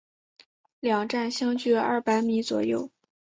两站相距二百米左右。